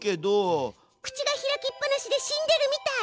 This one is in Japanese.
口が開きっぱなしで死んでるみたい！